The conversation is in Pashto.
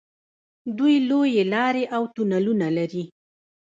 دوی لویې لارې او تونلونه لري.